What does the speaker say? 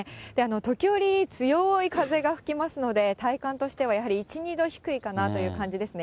時折、強い風が吹きますので、体感としてはやっぱり１、２度低いかなという感じですね。